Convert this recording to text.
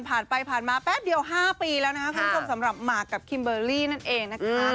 ผ่านไปผ่านมาแป๊บเดียว๕ปีแล้วนะคะคุณผู้ชมสำหรับหมากกับคิมเบอร์รี่นั่นเองนะคะ